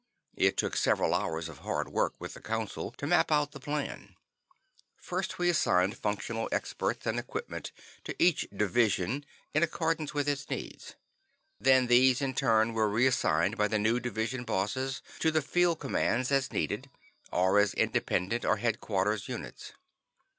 It took several hours of hard work with the Council to map out the plan. First we assigned functional experts and equipment to each "Division" in accordance with its needs. Then these in turn were reassigned by the new Division Bosses to the Field Commands as needed, or as Independent or Headquarters Units.